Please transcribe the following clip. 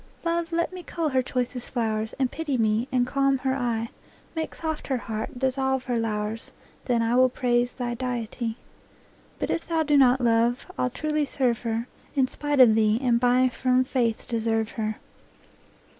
Love, let me cull her choicest flowers, And pity me, and calm her eye; Make soft her heart, dissolve her lowers, Then will I praise thy deity, But if thou do not, Love, I'll truly serve her In spite of thee, and by firm faith deserve her.